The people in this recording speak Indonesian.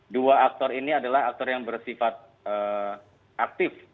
dua aktor ini adalah aktor yang bersifat aktif